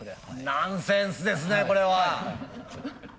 ナンセンスですねこれは。